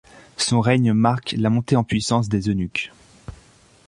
Son règne marque la montée en puissance des eunuques.